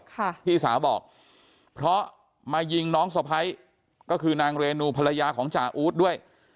พี่สาวบอกเพราะมายิงน้องสะพ้ายก็คือนางเรนูภรรยาของจ่าอู๊ดด้วย